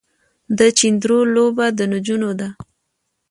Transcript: د چيندرو لوبه د نجونو ده.